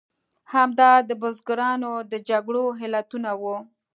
همدا د بزګرانو د جګړو علتونه وو.